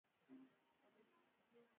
کیفیت د هرې سودا اساس دی.